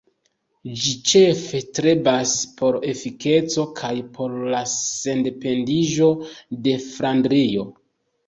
Ĝi ĉefe strebas por efikeco kaj por la sendependiĝo de Flandrio.